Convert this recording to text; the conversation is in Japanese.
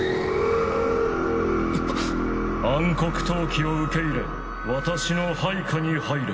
暗黒闘気を受け入れ私の配下に入れ。